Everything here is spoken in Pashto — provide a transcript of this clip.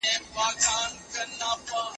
قومي غرور خلګ یو ځای ساتي.